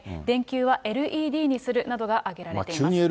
電球はＬＥＤにするなどが挙げられています。